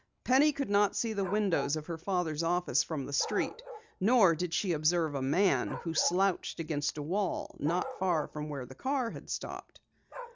Penny could not see the windows of her father's office from the street. Nor did she observe a man who slouched against a wall, not far from where the car had stopped.